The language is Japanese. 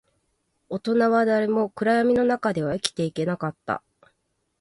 大人は誰も暗闇の中では生きていけなかった